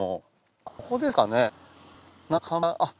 あっここですかね？